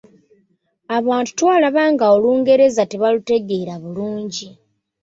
Abamu twalaba nga Olungereza tebalutegeera bulungi.